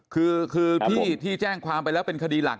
คือที่แจ้งความไปแล้วเป็นคดีหลัก